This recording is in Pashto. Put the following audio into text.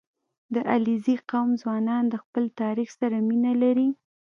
• د علیزي قوم ځوانان د خپل تاریخ سره مینه لري.